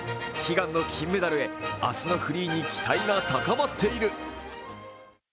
悲願の金メダルへ明日のフリーへ期待が高まっている。